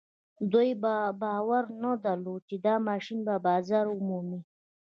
دوی باور نه درلود چې دا ماشين به بازار ومومي.